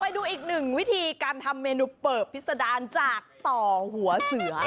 ไปดูอีกหนึ่งวิธีการทำเมนูเปิบพิษดารจากต่อหัวเสือ